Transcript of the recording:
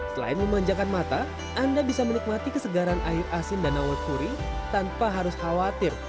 selain memanjakan mata anda bisa menikmati kesegaran air asin danau wekuri tanpa harus khawatir